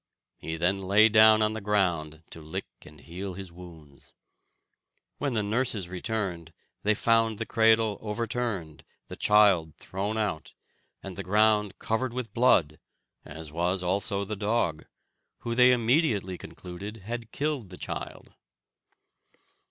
He then lay down on the ground to lick and heal his wounds. When the nurses returned, they found the cradle overturned, the child thrown out, and the ground covered with blood, as was also the dog, who they immediately concluded had killed the child.